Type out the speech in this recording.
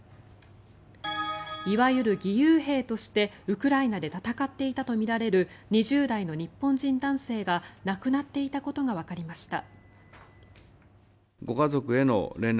いわゆる義勇兵としてウクライナで戦っていたとみられる２０代の日本人男性が亡くなっていたことがわかりました。